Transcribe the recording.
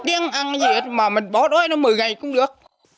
nó tiếng ăn gì hết mà mình bỏ đói nó mười ngày cũng được